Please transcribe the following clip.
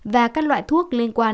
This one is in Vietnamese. và các loại thuốc liên quan